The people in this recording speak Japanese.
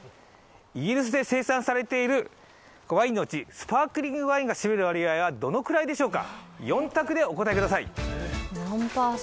イギリスで生産されているワインのうちスパークリングワインが占める割合はどのぐらいでしょうか。